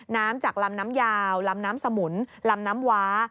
น้ำจากลำน้ำยาวลำน้ำสมุนลำน้ำว้า